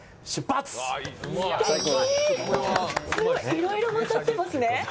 いろいろ混ざってますね。